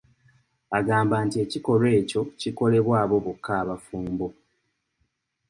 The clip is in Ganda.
Agamba nti ekikolwa ekyo kikolebwa abo bokka abafumbo.